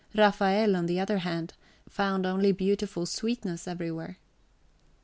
Raphael, on the {xxiv} other hand, found only beautiful sweetness everywhere.